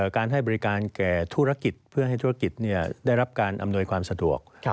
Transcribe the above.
การให้บริการแก่ธุรกิจเพื่อให้ธุรกิจได้รับการอำนวยความสะดวก